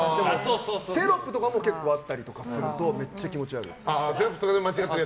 テロップとかも結構あったりすると気持ち悪い。